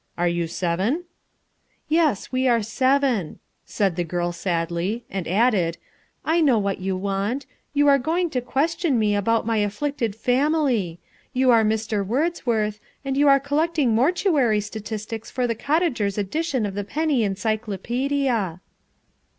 Are you seven?" "Yes, we are seven," said the girl sadly, and added, "I know what you want. You are going to question me about my afflicted family. You are Mr. Wordsworth, and you are collecting mortuary statistics for the Cottagers' Edition of the Penny Encyclopaedia."